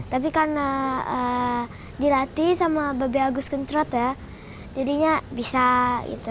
tapi karena dilatih sama babe agus kentrot ya jadinya bisa gitu